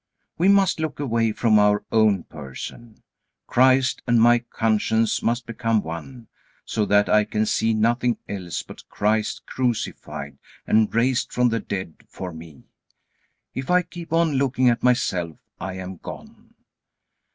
We must look away from our own person. Christ and my conscience must become one, so that I can see nothing else but Christ crucified and raised from the dead for me. If I keep on looking at myself, I am gone.